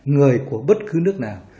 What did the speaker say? người của bất cứ nước nào